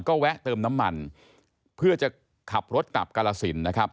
ก็แวะเติมน้ำมันเพื่อจะขับรถกลับกรสิน